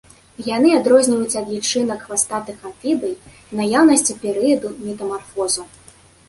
Яны адрозніваюцца ад лічынак хвастатых амфібій наяўнасцю перыяду метамарфозу.